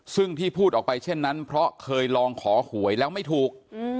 ซึ่งที่พูดออกไปเช่นนั้นเพราะเคยลองขอหวยแล้วไม่ถูก